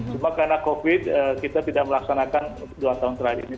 cuma karena covid kita tidak melaksanakan dua tahun terakhir ini